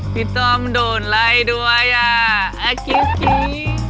พี่ต้อมโดนไล่ด้วยอ่ะอ่ะคิวคิว